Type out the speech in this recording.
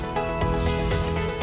mbak desi nyanyi